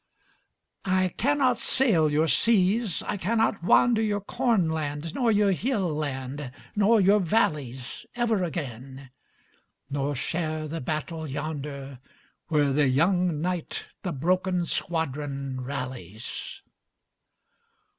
I cannot sail your seas, I cannot wander Your cornland, nor your hill land, nor your valleys Ever again, nore share the battle yonder Where the young knight the broken squadron rallies.